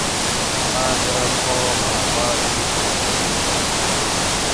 آس رہ پا مہ باۤر شکر گۤڑی